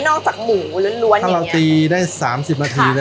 นอกจากหมูล้วนอย่างเงี้ยถ้าเราตีได้สามสิบนาทีนะครับ